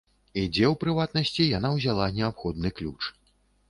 І дзе, у прыватнасці, яна ўзяла неабходны ключ.